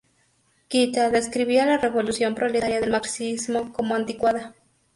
Kita describía la revolución proletaria del marxismo como anticuada.